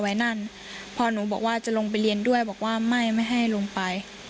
อยากเอาไปเรียนต่อม๔ค่ะ